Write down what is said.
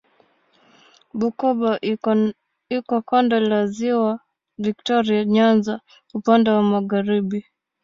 Bukoba iko kando la Ziwa Viktoria Nyanza upande wa magharibi.